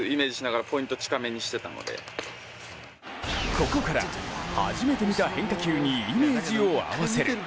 ここから初めて見た変化球にイメージを合わせる。